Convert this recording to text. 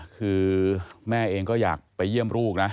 คือแม่เองก็อยากไปเยี่ยมลูกนะ